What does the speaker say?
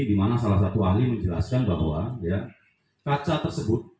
di mana salah satu ahli menjelaskan bahwa kaca tersebut